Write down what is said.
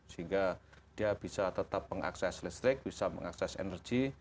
sehingga dia bisa tetap mengakses listrik bisa mengakses energi